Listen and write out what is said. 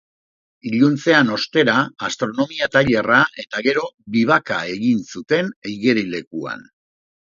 Iluntzean, ostera, astronomia tailerra eta gero vivac-a egin zuten igerilekuan.